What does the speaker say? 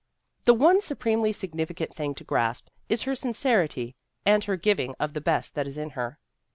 ) The one supremely significant thing to grasp is her sincerity and her giving of the best that is in her.